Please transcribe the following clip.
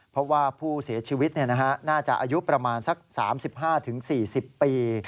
เพราะว่าผู้เสียชีวิตน่าจะอายุประมาณสัก๓๕๔๐ปี